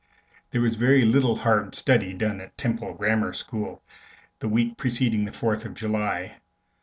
There was very little hard study done in the Temple Grammar School the week preceding the Fourth of July.